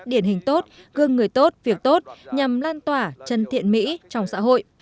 điển hình tốt gương người tốt việc tốt nhằm lan tỏa chân thiện mỹ trong xã hội